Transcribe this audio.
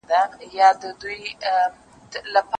چه عیب پیرو استاد خود ګردیدن